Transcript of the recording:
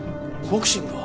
ボクシングは？